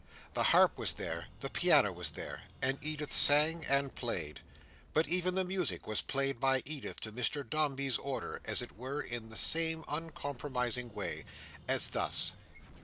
The harp was there; the piano was there; and Edith sang and played. But even the music was played by Edith to Mr Dombey's order, as it were, in the same uncompromising way. As thus.